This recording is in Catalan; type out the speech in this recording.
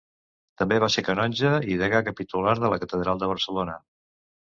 També va ser canonge i degà capitular de la catedral de Barcelona.